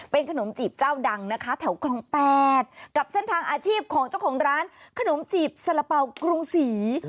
เป็นขนมจีบเจ้าดังนะคะแถวคลอง๘กับเส้นทางอาชีพของเจ้าของร้านขนมจีบสาระเป๋ากรุงศรี